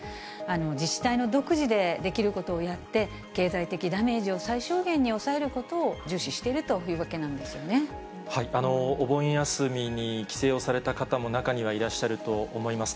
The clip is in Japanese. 自治体の独自でできることをやって、経済的ダメージを最小限に抑えることを重視しているというわけなお盆休みに帰省をされた方も中にはいらっしゃると思います。